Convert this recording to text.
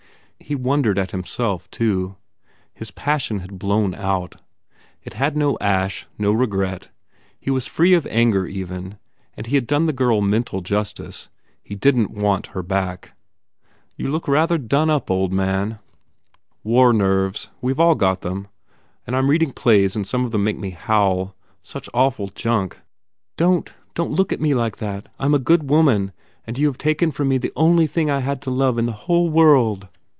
He wondered at himself, too. His passion had blown out. It had no ash, no regret. He was free of anger, even, and he had done the girl mental justice. He didn t want her back. "You look rather done up, old man." 1 80 TODGERS INTRUDES "War nerves. We ve all got them. And I m reading plays and some of them make me howl. Such awful junk! Don t, don t look at me like that. I m a good woman, and you have taken from me the only thing I had to love in the whole world.